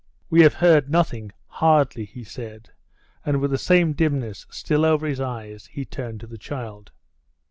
"We have heard nothing hardly," he said, and with the same dimness still over his eyes he turned to the child.